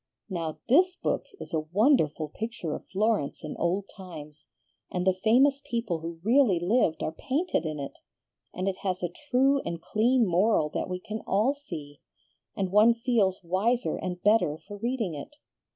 Now, THIS book is a wonderful picture of Florence in old times, and the famous people who really lived are painted in it, and it has a true and clean moral that we can all see, and one feels wiser and better for reading it.